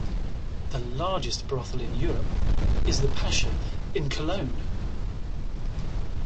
The largest brothel in Europe is the Pascha in Cologne.